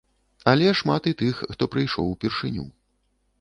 Але шмат і тых, хто прыйшоў упершыню.